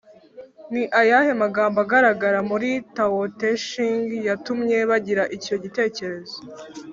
ni ayahe magambo agaragara muri tao te ching yatumye bagira icyo gitekerezo?